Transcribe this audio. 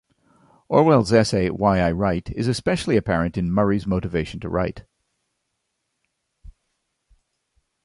Orwell's essay Why I Write is especially apparent in Murray's motivation to write.